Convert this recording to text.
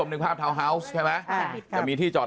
เอาไว้ที่